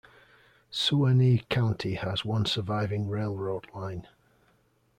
Suwannee County has one surviving railroad line.